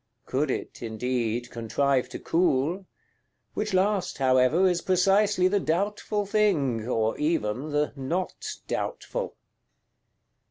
Could it, indeed, contrive to cool; which last, however, is precisely the doubtful thing, or even the not doubtful!